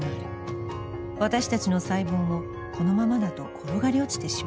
私たちの細胞もこのままだと転がり落ちてしまう。